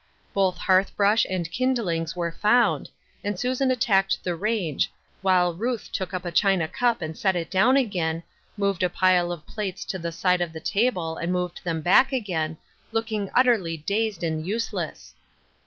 Both hearth brush and kindlings were found, and Susan attacked the range, while Ruth took up a china cup and set it down again, moved a pile of plates to the side of the table and moved them back again, looking utterly dazed and useless.